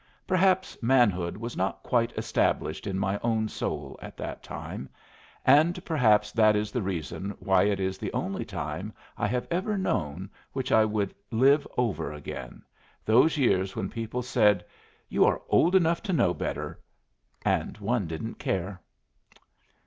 Perhaps manhood was not quite established in my own soul at that time and perhaps that is the reason why it is the only time I have ever known which I would live over again, those years when people said, "You are old enough to know better" and one didn't care!